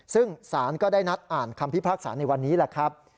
ซึ่งสารก็ได้นัดอ่านคำพิพากษาในวันนี้แหละครับ